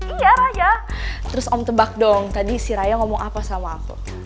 iya raja terus om tebak dong tadi si raja ngomong apa sama aku